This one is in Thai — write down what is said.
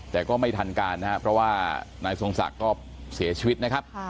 แต่ก็ไม่ทันการนะครับเพราะว่านายทรงศักดิ์ก็เสียชีวิตนะครับ